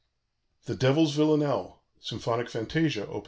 "THE DEVIL'S VILLANELLE," SYMPHONIC FANTASIA: Op.